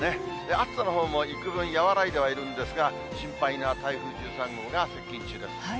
暑さのほうもいくぶん和らいではいるんですが、心配な台風１３号が接近中です。